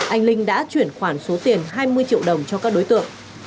anh linh đã chuyển khoản số tiền hai mươi triệu đồng cho các đối tượng